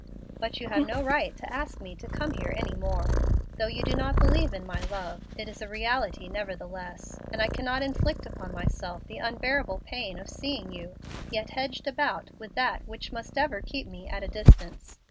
But you have no right to ask me to come here any more. Though you do not believe in my love, it is a reality nevertheless, and I cannot inflict upon myself the unbearable pain of seeing you, yet hedged about with that which must ever keep me at a distance.